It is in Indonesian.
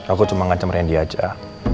aku cuma ngancam randy aja